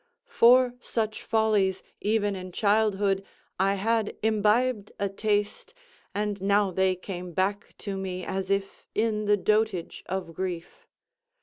For such follies, even in childhood, I had imbibed a taste and now they came back to me as if in the dotage of grief.